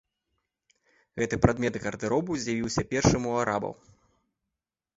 Гэты прадмет гардэроба з'явіўся першым у арабаў.